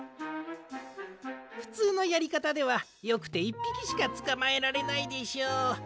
ふつうのやりかたではよくて１ぴきしかつかまえられないでしょう。